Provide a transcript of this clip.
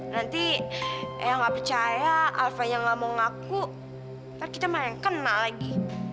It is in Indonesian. nanti eang gak percaya alfanya gak mau ngaku nanti kita mah yang kena lagi